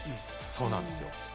そうなんです。